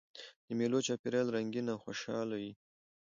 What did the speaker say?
د مېلو چاپېریال رنګین او خوشحاله يي.